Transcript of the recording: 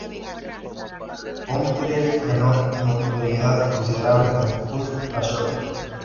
Humphries ganó notoriedad considerable con "Just A Show".